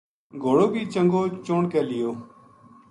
گھوڑو بھی چنگو چن کے لیو